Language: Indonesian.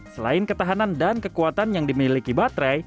selain ketahanan dan kekuatan yang dimiliki baterai